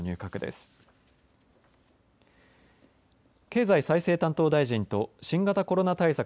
経済再生担当大臣と新型コロナ対策